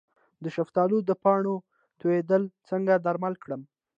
د شفتالو د پاڼو تاویدل څنګه درمل کړم؟